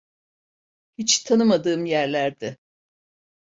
Hiç tanımadığım yerlerdi.